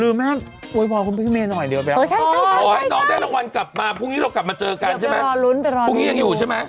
เองตี้ทำไมน่าสนใจฉันเลยอะ